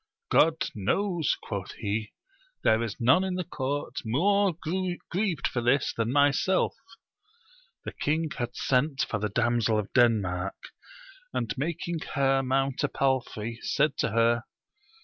God knows, quoth he, there is none in the court more grieved for this than myself. The king had sent for the Damsel of Denmark, and making her mount a palfrey, said to her.